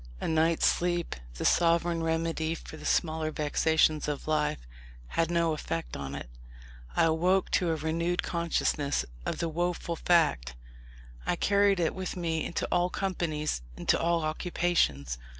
A night's sleep, the sovereign remedy for the smaller vexations of life, had no effect on it. I awoke to a renewed consciousness of the woful fact. I carried it with me into all companies, into all occupations.